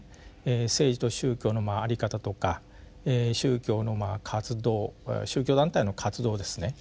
政治と宗教の在り方とか宗教の活動宗教団体の活動ですね